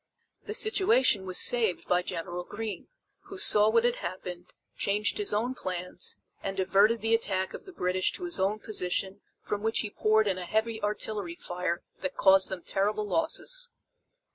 The situation was saved by General Greene, who saw what had happened, changed his own plans and diverted the attack of the British to his own position from which he poured in a heavy artillery fire that caused them terrible losses.